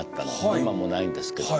今もうないんですけど。